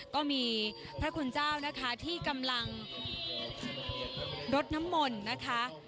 ก็มีพระคุณเจ้านะคะที่กำลังรดน้ำมนต์นะคะ